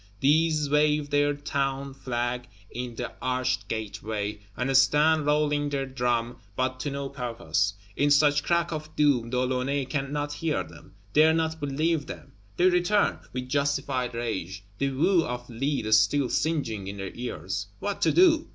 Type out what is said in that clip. These wave their Town flag in the arched Gateway, and stand, rolling their drum, but to no purpose. In such Crack of Doom, De Launay cannot hear them, dare not believe them; they return, with justified rage, the whew of lead still singing in their ears. What to do?